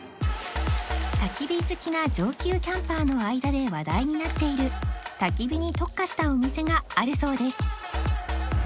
焚き火好きな上級キャンパーの間で話題になっている焚き火に特化したお店があるそうです